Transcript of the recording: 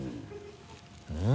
うん。